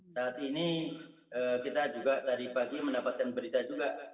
saat ini kita juga tadi pagi mendapatkan berita juga